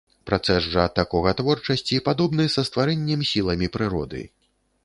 Працэс жа такога творчасці падобны са стварэннем сіламі прыроды.